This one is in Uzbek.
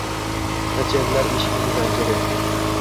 Gʻichirlar eshikning zanjiri